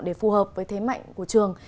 để phù hợp với thế mạnh của trường